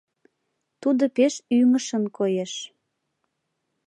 Тудо пеш ӱҥышын коеш.